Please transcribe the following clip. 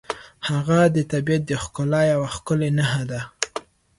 هغه د طبیعت د ښکلا یوه ښکلې نښه ده.